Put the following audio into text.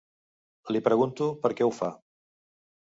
Li pregunto per què ho fa.